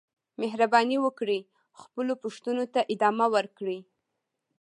مهرباني وکړئ خپلو پوښتنو ته ادامه ورکړئ.